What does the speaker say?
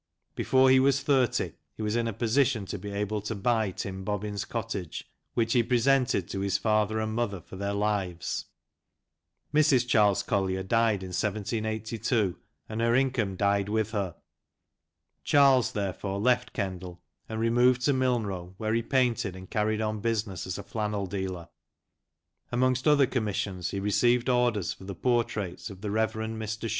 Before he was thirty he was in a position to be able to buy Tim Bobbin's cottage, which he presented to his father and mother for their lives. I30 BYGONE LANCASHIRE. Mrs. Charles Collier died in 1782, and her income died with her. Charles therefore left Kendal and removed to Milnrow, where he painted, and carried on business as a flannel dealer. Amongst other commissions, he received orders for the portraits of the Rev. Mr.